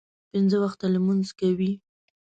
پنځه وخته لمونځ کوي.